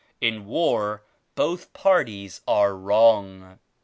, 24 "In war both parties arc wrong.